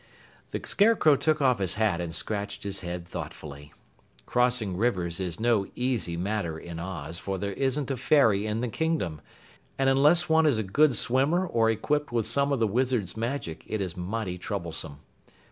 The Scarecrow took off his hat and scratched his head thoughtfully. Crossing rivers is no easy matter in Oz, for there isn't a ferry in the Kingdom, and unless one is a good swimmer or equipped with some of the Wizard's magic it is mighty troublesome.